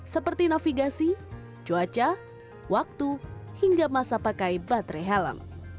seperti navigasi cuaca waktu hingga masa pakai baterai helm